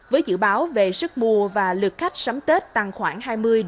với dự báo về sức mùa và lượt khách sắm tết tăng khoảng hai mươi ba mươi